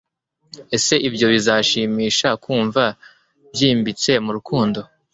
ese ibyo bizashimisha kumva byimbitse mu rukundo